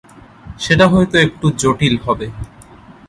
সেটা হয়তো একটু জটিল হবে।